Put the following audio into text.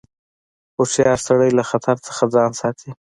هوښیار سړی له خطر څخه ځان ساتي.